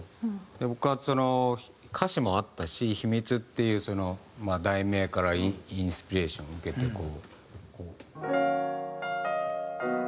僕はその歌詞もあったし『秘密』っていう題名からインスピレーションを受けてこう。